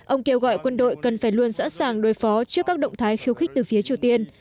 ông kêu gọi quân đội cần phải luôn sẵn sàng đối phó trước các động thái khiêu khích từ phía triều tiên